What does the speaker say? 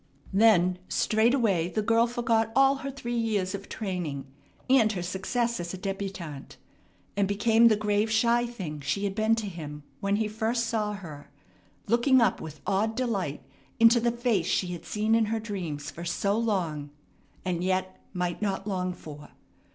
Then straightway the girl forgot all her three years of training, and her success as a débutante, and became the grave, shy thing she had been to him when he first saw her, looking up with awed delight into the face she had seen in her dreams for so long, and yet might not long for.